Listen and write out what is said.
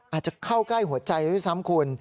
อาจจะเข้าใกล้หัวใจด้วยซ้ำคุณ